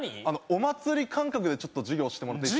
お祭り感覚でちょっと授業してもらっていいっすか？